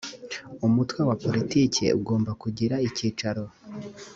umutwe wa politiki ugomba kugira icyicaro.